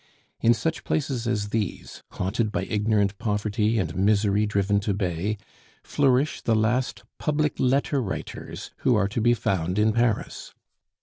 In such places as these, haunted by ignorant poverty and misery driven to bay, flourish the last public letter writers who are to be found in Paris.